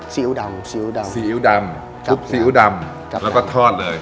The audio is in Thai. ้วดำซีอิ๊วดำซีอิ๊วดำซุปซีอิ๊วดำแล้วก็ทอดเลย